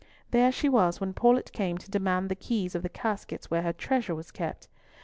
There she was when Paulett came to demand the keys of the caskets where her treasure was kept.